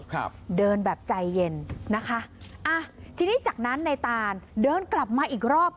ครับเดินแบบใจเย็นนะคะอ่ะทีนี้จากนั้นในตานเดินกลับมาอีกรอบ